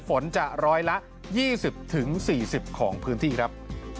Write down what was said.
ฝนจะร้อยละ๒๐๔๐ของพื้นที่ครับ